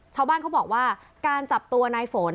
ชาวบ้านเขาบอกว่าการจับตัวในฝน